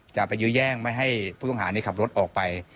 จะไปยื้อแย่งไม่ให้ผู้ต้องหาขับรถออกไป